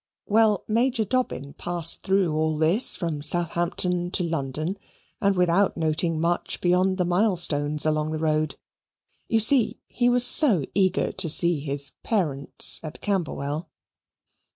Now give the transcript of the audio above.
Well, Major Dobbin passed through all this from Southampton to London, and without noting much beyond the milestones along the road. You see he was so eager to see his parents at Camberwell.